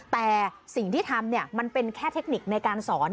แต่สิ่งที่ทำมันเป็นแค่เทคนิคในการสอน